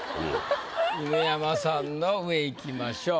犬山さんの上いきましょう。